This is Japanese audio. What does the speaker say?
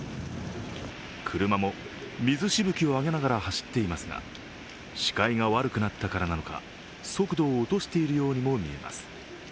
車も水しぶきを上げながら走っていますが視界が悪くなったからなのか速度を落としているようにも見えます。